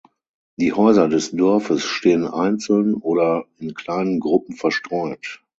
Die Häuser des Dorfes stehen einzeln oder in kleinen Gruppen verstreut.